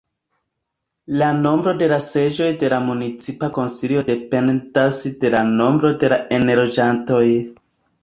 La nombro de seĝoj de la municipa Konsilio dependas de la nombro de enloĝantoj.